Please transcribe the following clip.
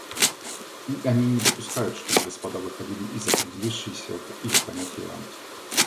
И они не допускают, чтобы господа выходили из определившейся в их понятии рамки.